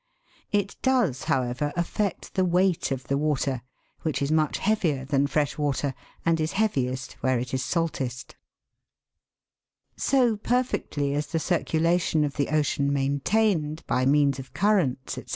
It does, however, affect the weight of the water, which is much heavier than fresh water, and is heaviest where it is saltest So perfectly is the circulation of the ocean maintained, by means of currents, &c.